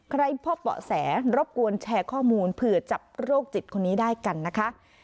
พบเบาะแสรบกวนแชร์ข้อมูลเผื่อจับโรคจิตคนนี้ได้กันนะคะ